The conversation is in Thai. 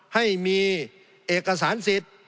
ให้มีเอกสารสิทธิ์